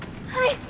はい！